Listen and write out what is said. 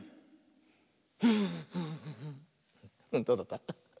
どうだった？